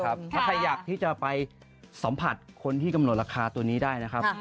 ถ้าใครอยากที่จะไปสัมผัสคนที่กำหนดราคาตัวนี้ได้นะครับ